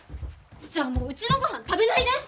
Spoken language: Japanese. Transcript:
じゃあもううちのごはん食べないで！